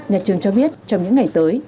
nhà trường cho biết trong những ngày tới